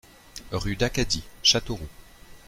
Rue d'Acadie, Châteauroux